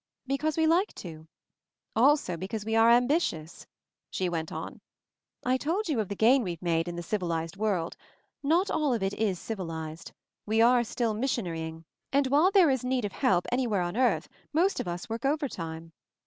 "Be cause we like to. Also because we are am bitious," she went on. "I told you of the gain we've made in 'the civilized world.' Not all of it is civilized. We are still missionary ing. And while there is need of help any where on earth, most of us work overtime.